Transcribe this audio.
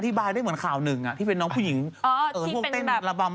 ข่าวต่อไปเนี่ยอันนี้รู้ลึกไหม